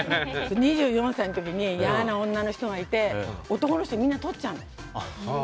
２４歳の時に、嫌な女の人がいて男の人をみんなとっちゃうの。